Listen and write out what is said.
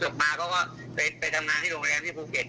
มาเขาก็ไปทำงานที่โรงแรมที่ภูเก็ต